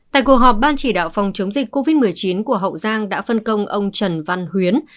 tại cuộc họp ban chỉ đạo phòng chống dịch covid một mươi chín của hậu giang đã phân công ông trần văn huyến